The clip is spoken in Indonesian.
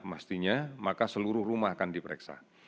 mestinya maka seluruh rumah akan diperiksa